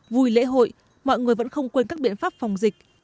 vui lễ hội mọi người vẫn không quên các biện pháp phòng dịch